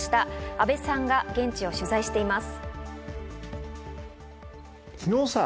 阿部さんが現地を取材しています。